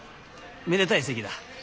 めでたい席だ。